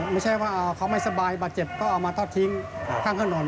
ไม่ใช่ว่าเขาไม่สบายบาดเจ็บก็เอามาทอดทิ้งข้างถนน